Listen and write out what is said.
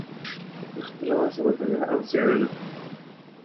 تر خپله وسه مطالعه او څیړنه وکړه